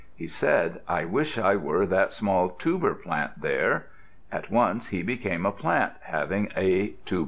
He said, "I wish I were that small Tuber plant there." At once he became a plant having a tuberous root.